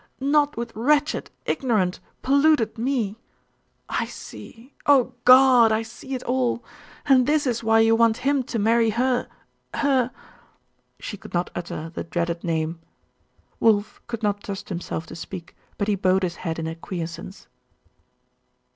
not with wretched, ignorant, polluted me! I see oh God, I see it all! And this is why you want him to marry her her ' She could not utter the dreaded name. Wulf could not trust himself to speak; but he bowed his head in acquiescence.